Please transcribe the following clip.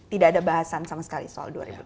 tidak ada bahasan sama sekali soal u dua puluh